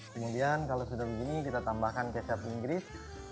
kemudian kalau sudah begini kita tambahkan kecap inggris